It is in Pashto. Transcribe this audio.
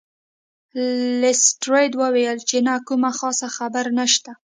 لیسټرډ وویل چې نه کومه خاصه خبره نشته.